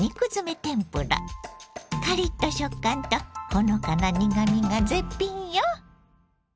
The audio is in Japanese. カリッと食感とほのかな苦みが絶品よ。